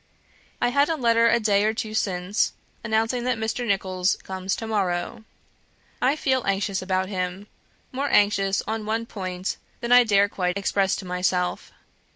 I had a letter a day or two since, announcing that Mr. Nicholls comes to morrow. I feel anxious about him; more anxious on one point than I dare quite express to myself.